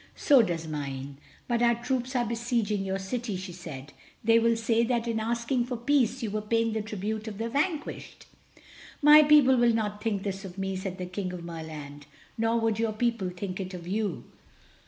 "So does mine. But our troops are besieging your city," she said, "they will say that in asking for peace you were paying the tribute of the vanquished." "My people will not think this of me," said the King of Merland, "nor would your people think it of you.